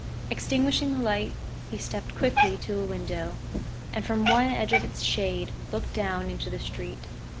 Extinguishing the lights, he stepped quickly to a window and from one edge of its shade looked down into the street.